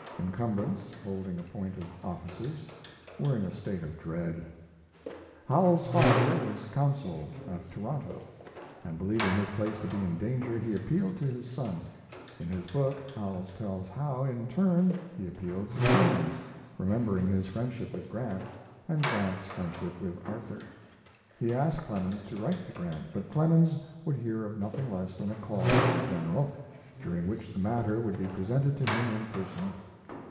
Incumbents holding appointive offices were in a state of dread. Howells's father was consul at Toronto, and, believing his place to be in danger, he appealed to his son. In his book Howells tells how, in turn, he appealed to Clemens, remembering his friendship with Grant and Grant's friendship with Arthur. He asked Clemens to write to Grant, but Clemens would hear of nothing less than a call on the General, during which the matter would be presented to him in person.